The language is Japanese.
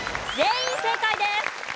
全員正解です。